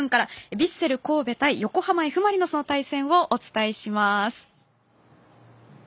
ヴィッセル神戸対横浜Ｆ・マリノスの対戦をお伝えします。